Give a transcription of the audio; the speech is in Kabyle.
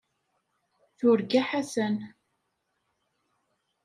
Turga Ḥasan.